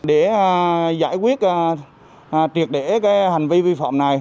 để giải quyết triệt để cái hành vi vi phạm này